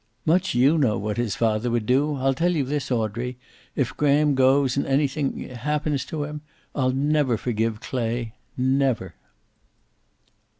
"Much you know what his father would do! I'll tell you this, Audrey. If Graham goes, and anything happens to him, I'll never forgive Clay. Never."